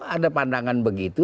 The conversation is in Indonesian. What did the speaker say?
ada pandangan begitu